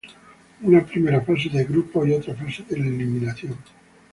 Una primera fase de grupos y otra fase de eliminación.